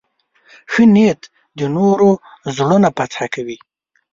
ښه نیت د نورو زړونه فتح کوي.